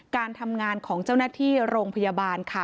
การทำงานของเจ้าหน้าที่โรงพยาบาลค่ะ